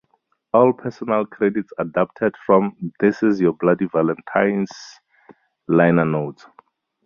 All personnel credits adapted from "This is Your Bloody Valentine"s liner notes.